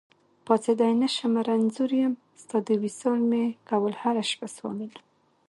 پاڅېدی نشمه رنځور يم، ستا د وصال مي کول هره شپه سوالونه